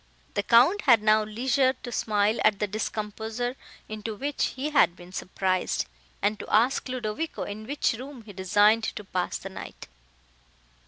The Count had now leisure to smile at the discomposure, into which he had been surprised, and to ask Ludovico in which room he designed to pass the night.